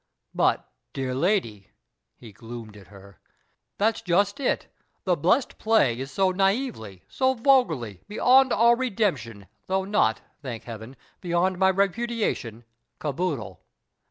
" But, dear lady," he gloomed at her, " that's just it. The blest play is so naively, so vulgarly, beyond all redemption though not, thank ^ea^■en, beyond my repudiation, caboodle."